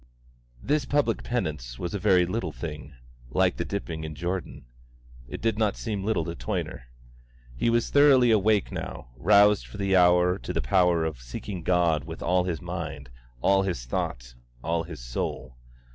This public penance was a very little thing, like the dipping in Jordan. It did not seem little to Toyner. He was thoroughly awake now, roused for the hour to the power of seeking God with all his mind, all his thought, all his soul.